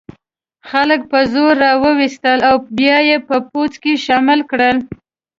خلک په زور را وستل او بیا یې په پوځ کې شامل کړل.